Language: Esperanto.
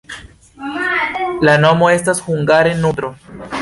La nomo estas hungare: nutro.